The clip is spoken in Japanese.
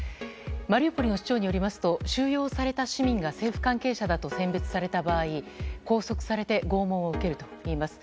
マリウポリの市長によりますと収容された市民が政府関係者だと選別された場合拘束されて拷問を受けるということです。